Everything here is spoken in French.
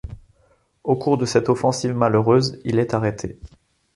Au cours de cette offensive malheureuse il est arrêté.